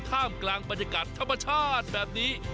ท่ามกลางบรรยากาศธรรมชาติแบบนี้